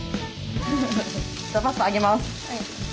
じゃあパスタあげます。